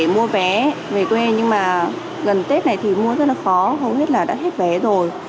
mua vé về quê nhưng mà gần tết này thì mua rất là khó hầu hết là đã hết vé rồi